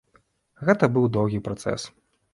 Гэта быў доўгі працэс.